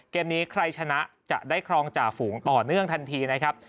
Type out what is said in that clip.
เกมนี้ใครชนะจะได้ครองจ่าฝูงต่อเนื่องทันทีนะครับ